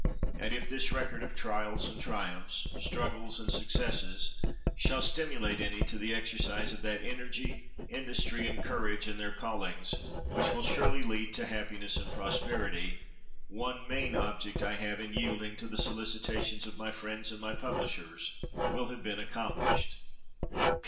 And if this record of trials and triumphs, struggles and successes, shall stimulate any to the exercise of that energy, industry, and courage in their callings, which will surely lead to happiness and prosperity, one main object I have in yielding to the solicitations of my friends and my publishers will have been accomplished.